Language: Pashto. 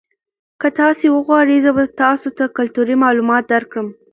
که تاسي وغواړئ زه به تاسو ته کلتوري معلومات درکړم.